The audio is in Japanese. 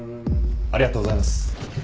ありがとうございます。